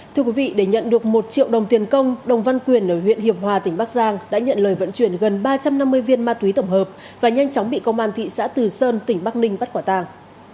thưa quý vị để nhận được một triệu đồng tiền công đồng văn quyền ở huyện hiệp hòa tỉnh bắc giang đã nhận lời vận chuyển gần ba trăm năm mươi viên ma túy tổng hợp và nhanh chóng bị công an thị xã từ sơn tỉnh bắc ninh bắt quả tàng